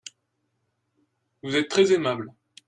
Vous êtes très aimable.